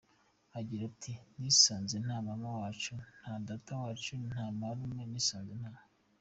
Agira ati “Nisanze nta mama wacu, nta data wacu, nta marume, nisanga nta.